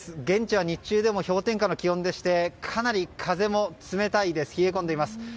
現地は日中でも氷点下の気温でしてかなり風も冷たいです。